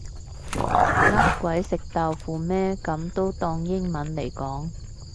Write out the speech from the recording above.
呃鬼食豆腐咩噉都當英文嚟講